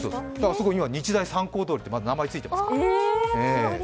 そこ、まだ日大三高通りって名前がついていますから。